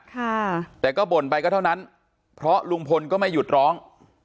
ค่ะแต่ก็บ่นไปก็เท่านั้นเพราะลุงพลก็ไม่หยุดร้อง